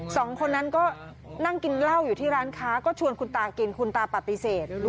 สองคนนั้นก็นั่งกินเหล้าอยู่ที่ร้านค้าก็ชวนคุณตากินคุณตาปฏิเสธ